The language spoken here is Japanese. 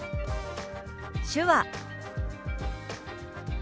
「手話」。